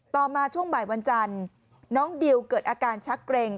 มาช่วงบ่ายวันจันทร์น้องดิวเกิดอาการชักเกร็ง